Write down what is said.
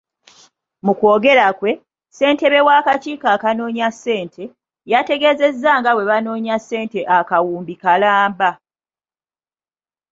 Mu kwogera kwe, ssentebe w'akakiiko akanoonya ssente, yategeezezza nga bwe banoonya ssente akawumbi kalamba.